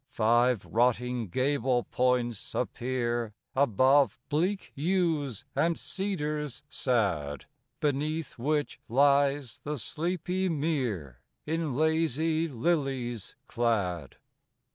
Five rotting gable points appear Above bleak yews and cedars sad, Beneath which lies the sleepy mere In lazy lilies clad.